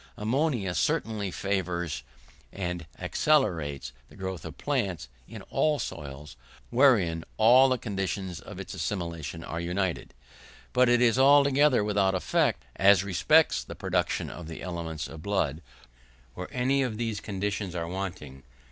Ammonia certainly favours, and accelerates, the growth of plants in all soils, wherein all the conditions of its assimilation are united; but it is altogether without effect, as respects the production of the elements of blood where any of these conditions are wanting.